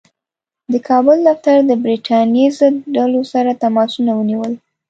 د کابل دفتر د برټانیې ضد ډلو سره تماسونه ونیول.